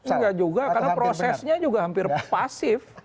enggak juga karena prosesnya juga hampir pasif